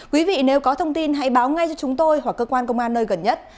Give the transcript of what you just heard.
quý vị nếu có thông tin hãy báo ngay cho chúng tôi hoặc cơ quan công an nơi gần nhất